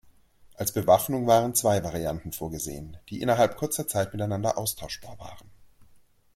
Als Bewaffnung waren zwei Varianten vorgesehen, die innerhalb kurzer Zeit miteinander austauschbar waren.